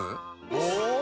お！